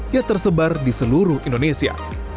yang tersebar di seluruh indonesia